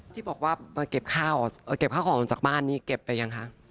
ที่บอกว่าเก็บข้าวของออกจากบ้านนี้เก็บไปยังคะ